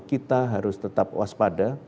kita harus tetap waspada